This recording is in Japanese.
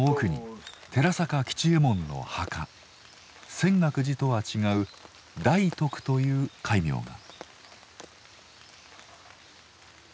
泉岳寺とは違う大徳という戒名が。